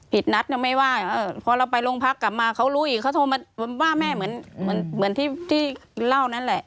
นัดไม่ว่าพอเราไปโรงพักกลับมาเขารู้อีกเขาโทรมาว่าแม่เหมือนที่เล่านั่นแหละ